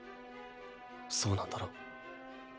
そうなんだろ？